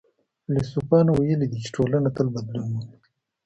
فيلسوفانو ويلي دي چي ټولنه تل بدلون مومي.